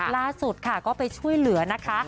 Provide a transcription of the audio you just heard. ล่าสุดค่ะก็ไปช่วยเหลือนะคะ